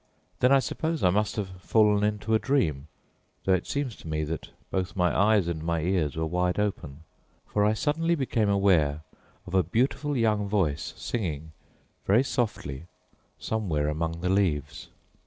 Then I suppose I must have fallen into a dream, though it seemed to me that both my eyes and my ears were wide open, for I suddenly became aware of a beautiful young voice singing very softly somewhere among the leaves.